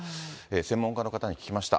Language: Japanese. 専門家の方に聞きました。